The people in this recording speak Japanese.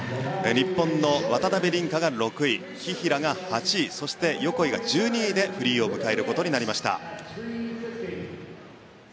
日本の渡辺倫果が６位紀平が８位そして横井が１２位でフリーを迎えることになりました。